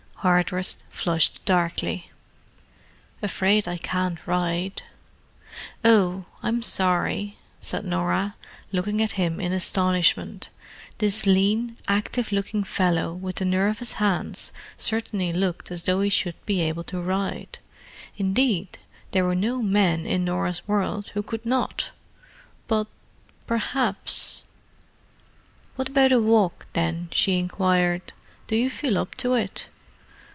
Hardress flushed darkly. "Afraid I can't ride." "Oh—I'm sorry," said Norah, looking at him in astonishment. This lean, active looking fellow with the nervous hands certainly looked as though he should be able to ride. Indeed, there were no men in Norah's world who could not. But, perhaps—— "What about a walk, then?" she inquired. "Do you feel up to it?"